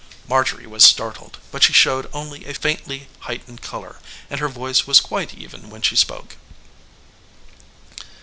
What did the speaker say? Marjorie was startled, but she showed only a faintly heightened color and her voice was quite even when she spoke.